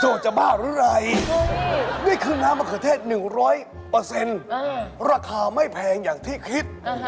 จะบ้าหรือไรนี่คือน้ำมะเขือเทศ๑๐๐ราคาไม่แพงอย่างที่คิด